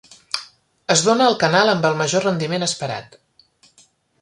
Es dóna el canal amb el major rendiment esperat.